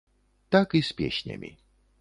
Так і з песнямі.